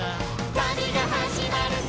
「旅が始まるぞ！」